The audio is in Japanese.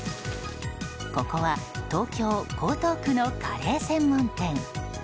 ここは東京・江東区のカレー専門店。